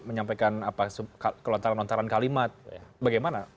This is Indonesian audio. di mana asn kemudian menyampaikan kelontaran kelontaran kalimat bagaimana